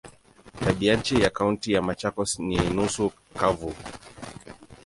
Tabianchi ya Kaunti ya Machakos ni nusu kavu.